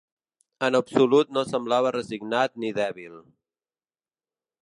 En absolut no semblava resignat ni dèbil.